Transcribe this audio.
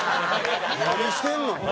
何してんの？